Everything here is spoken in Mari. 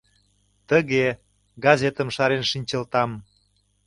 Тыге, газетым шарен шинчылтам.